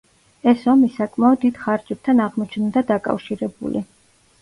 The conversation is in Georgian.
ეს ომი საკმაოდ დიდ ხარჯებთან აღმოჩნდა დაკავშირებული.